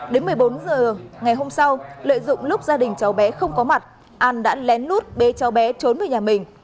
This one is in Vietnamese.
đến một mươi bốn h ngày hôm sau lợi dụng lúc gia đình cháu bé không có mặt an đã lén lút bế cháu bé trốn về nhà mình